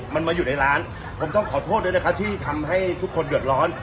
มันมาอยู่ในร้านผมต้องขอโทษด้วยนะครับที่ทำให้ทุกคนเดือดร้อน